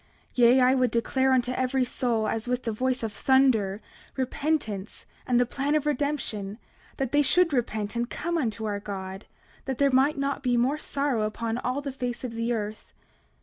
29:2 Yea, I would declare unto every soul, as with the voice of thunder, repentance and the plan of redemption, that they should repent and come unto our God, that there might not be more sorrow upon all the face of the earth.